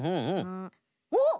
おっ！